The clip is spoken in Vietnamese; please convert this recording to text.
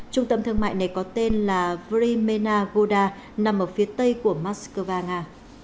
trung tâm thương mại này có tên là vrymena guda nằm ở phía tây của moscow và nga